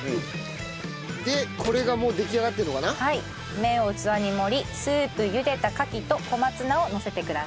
麺を器に盛りスープ茹でたカキと小松菜をのせてください。